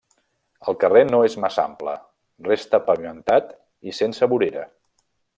El carrer no és massa ample, resta pavimentat i sense vorera.